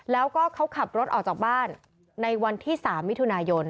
แล้วก็เขาขับรถออกจากบ้านในวันที่๓มิถุนายน